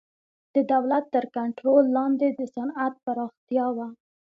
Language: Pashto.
د دولت تر کنټرول لاندې د صنعت پراختیا و.